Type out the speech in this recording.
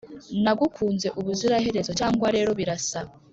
nagukunze ubuziraherezo, cyangwa rero birasa.